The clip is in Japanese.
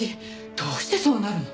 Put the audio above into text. どうしてそうなるの？